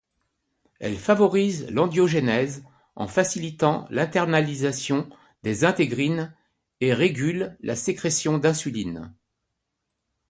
Elle favorise l'angiogenèse en facilitant l'internalisation des intégrines et régule la sécrétion d'insuline.